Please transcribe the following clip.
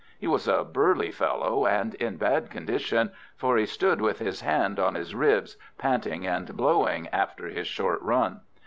He was a burly fellow, and in bad condition, for he stood with his hand on his ribs, panting and blowing after his short run.